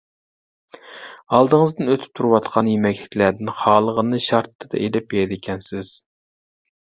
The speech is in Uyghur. ئالدىڭىزدىن ئۆتۈپ تۇرۇۋاتقان يېمەكلىكلەردىن خالىغاننى شارتتىدە ئېلىپ يەيدىكەنسىز.